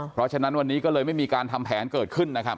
เพราะฉะนั้นวันนี้ก็เลยไม่มีการทำแผนเกิดขึ้นนะครับ